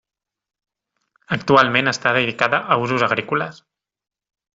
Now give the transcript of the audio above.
Actualment està dedicada a usos agrícoles.